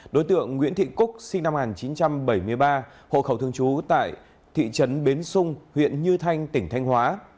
đối tượng nguyễn thị cúc sinh năm một nghìn chín trăm bảy mươi ba hộ khẩu thương chú tại thị trấn bến sung huyện như thanh tỉnh thanh hóa